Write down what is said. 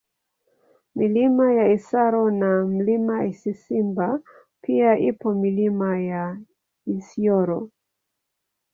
Milima ya Isaro na Mlima Isisimba pia ipo Milima ya Isyoro